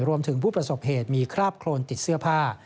รวมถึงผู้ประสบเหตุมีคราบโครนติดเสื้อผ้า